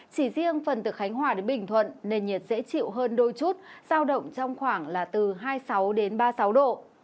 chỉ riêng phần từ khánh hòa đến bình thuận nền nhiệt dễ chịu hơn đôi chút giao động trong khoảng là từ hai mươi sáu đến ba mươi sáu độ